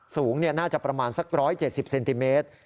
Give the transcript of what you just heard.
สูงน่าจะประมาณสัก๑๗๐เซนติเมตร